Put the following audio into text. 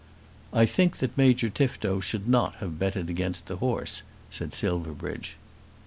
"I think that Major Tifto should not have betted against the horse," said Silverbridge.